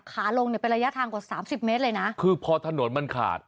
ขาลงเนี่ยเป็นระยะทางกว่าสามสิบเมตรเลยนะคือพอถนนมันขาด